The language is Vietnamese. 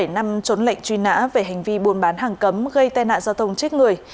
bảy năm trốn lệnh truy nã về hành vi buôn bán hàng cấm gây tai nạn giao thông chết người